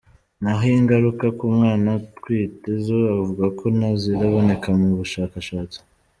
Naho ingaruka ku mwana atwite zo, avuga ko ntaziraboneka mu bushakashatsi.